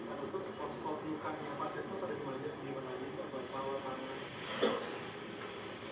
pak sebut sepau sepau